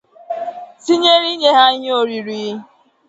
tinyere inye ha ihe oriri